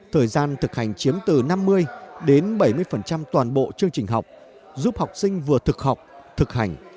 thời gian thực hành chiếm từ năm mươi đến bảy mươi toàn bộ chương trình học giúp học sinh vừa thực học thực hành